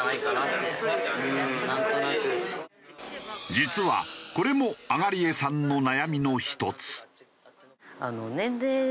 実はこれも東江さんの悩みの１つ。